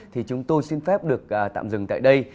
thì chúng tôi xin phép được tạm dừng tại đây